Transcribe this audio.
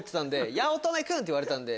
「八乙女君」って言われたんで。